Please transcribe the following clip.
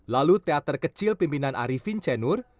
lalu teater kecil pimpinan arivind chenur